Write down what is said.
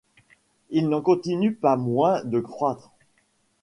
Il n’en continue pas moins de croître.